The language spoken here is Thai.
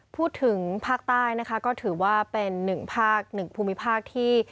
พูดถึงภาคใต้นะคะก็ถือว่าเป็น๑ภาค๑ภูมิภาคที่